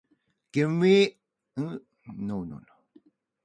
Give us back our time.